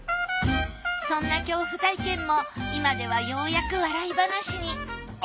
そんな恐怖体験も今ではようやく笑い話に。